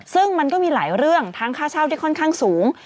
ซึ่งมันก็มีหลายเรื่องทั้งค่าเช่าที่ค่อนข้างสูง